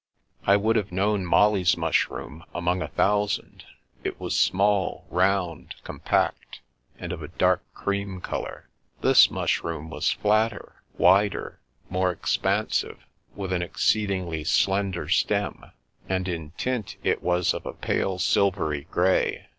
I would have known Molly's mushroom among a thousand. It was small, round, compact, and of a dark cream colour. This mushroom was flatter, wider, more expansive, with an exceedingly slender stem; and in tint it was of a pale silvery grey.